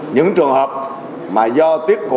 những trường hợp mà do tiếc của